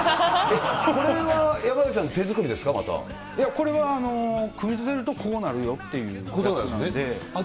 これは山崎さん、手作りですいや、これは組み立てるとこうなるよっていうことなんで。